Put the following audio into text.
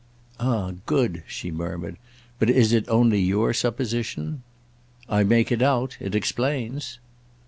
"Ah good!" she murmured. "But is it only your supposition?" "I make it out—it explains."